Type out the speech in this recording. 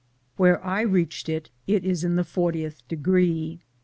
Where I reached it, it is in the fortieth degree.